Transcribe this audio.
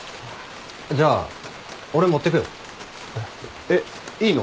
じゃあ俺持ってくよ。えっいいの？